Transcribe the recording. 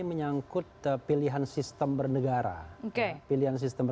menjadi calonia yang particles